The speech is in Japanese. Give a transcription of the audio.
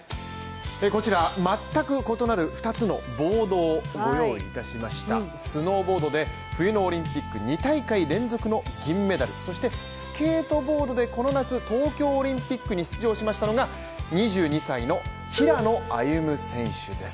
こちらは全く異なる２つのボードを用意いたしましたスノーボードで冬のオリンピック２大会連続の銀メダルそしてスケートボードでこの夏東京オリンピックに出場しましたのが２２歳の平野歩夢選手です